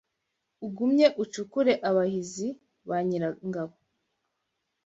Ugumye ucukure abahizi ba Nyirangabo